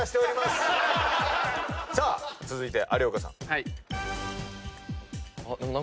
続いて有岡さん。